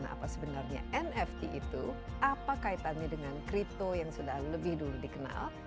apa sebenarnya nft itu apa kaitannya dengan kripto yang sudah lebih dulu dikenal